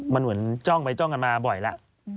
มันเหมือนจ้องไปจ้องกันมาบ่อยแล้ว